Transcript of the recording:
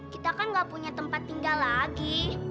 kita kan gak punya tempat tinggal lagi